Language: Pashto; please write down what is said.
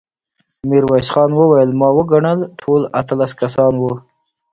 ميرويس خان وويل: ما وګڼل، ټول اتلس کسان وو.